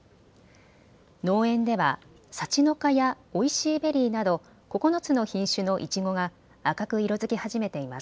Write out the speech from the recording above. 農園では、さちのかやおいＣベリーなど９つの品種のいちごが赤く色づき始めています。